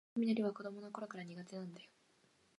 雷は子どものころから苦手なんだよ